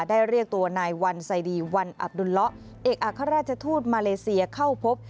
เรียกตัวนายวันไซดีวันอับดุลละเอกอัครราชทูตมาเลเซียเข้าพบ